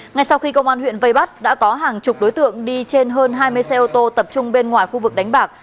ngay sau khi công an huyện vây bắt đã có hàng chục đối tượng đi trên hơn hai mươi xe ô tô tập trung bên ngoài khu vực đánh bạc